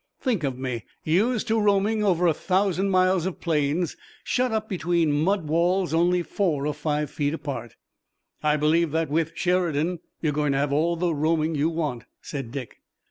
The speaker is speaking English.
"Think of me, used to roaming over a thousand miles of plains, shut up between mud walls only four or five feet apart." "I believe that, with Sheridan, you're going to have all the roaming you want," said Dick.